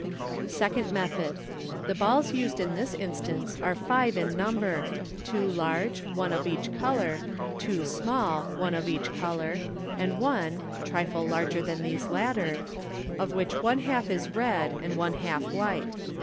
Second Method. —The balls used in this instance are five in num ber, two large, one of each colour ; two small, one of each colour, and one (a trifle larger than these latter), of which one half is red, and one half white.